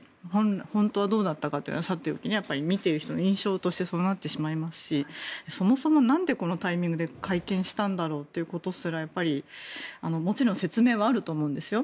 本当はどうだったかっていうのはさておき見ている人の印象としてそうなってしまいますしそもそもなんでこのタイミングで会見したんだろうということすらやっぱりもちろん説明はあると思うんですよ。